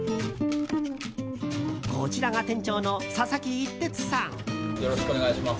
こちらが店長の佐々木一哲さん。